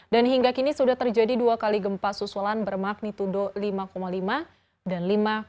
dan hingga kini sudah terjadi dua kali gempa susulan bermagnitudo lima lima dan lima enam